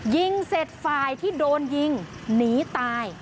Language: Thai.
ยิงเสร็จฝ่ายที่โดนยิงหนีตาย